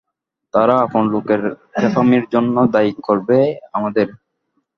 তারা আপন লোকের খেপামির জন্যে দায়িক করবে আমাদেরই।